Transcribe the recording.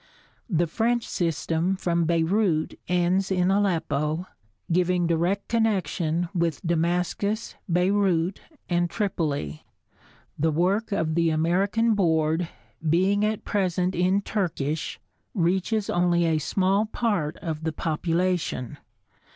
The French system from Beirut ends in Aleppo, giving direct connection with Damascus, Beirut and Tripoli. The work of the American Board, being at present in Turkish, reaches only a small part of the population.